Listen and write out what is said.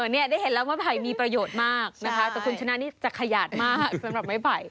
เนี่ยได้เห็นแล้วไม้ไผ่มีประโยชน์มากนะคะแต่คุณชนะนี่จะขยาดมากสำหรับไม้ไผ่